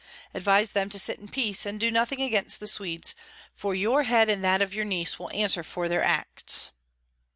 Advise them to sit in peace, and do nothing against the Swedes, for your head and that of your niece will answer for their acts."